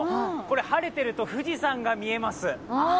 晴れてると富士山が見えます。